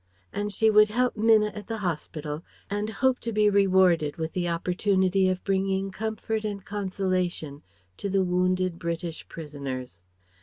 And she would help Minna at the hospital, and hope to be rewarded with the opportunity of bringing comfort and consolation to the wounded British prisoners.